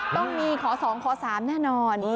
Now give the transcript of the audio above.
ต้องมีขอ๒ขอ๓แน่นอน